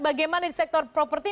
bagaimana di sektor properti